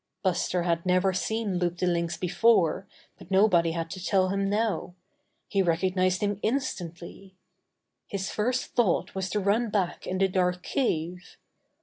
Buster had never seen Loup the Lynx be fore, but nobody had to tell him now. He recognized him instantly. His first thought was to run back in the dark cave.